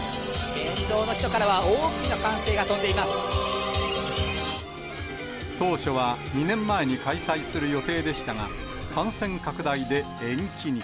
沿道の人からは大きな歓声が飛ん当初は２年前に開催する予定でしたが、感染拡大で延期に。